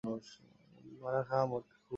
মারা খা মোটকু।